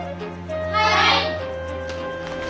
はい。